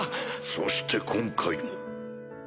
そして今回も。